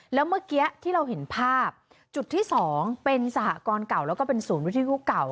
แล้วเมื่อกี้ที่เราเห็นภาพจุดที่๒เป็นสหกรณ์เก่าแล้วก็เป็นศูนย์วิทยุเก่า